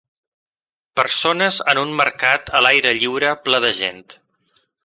Persones en un mercat a l'aire lliure ple de gent.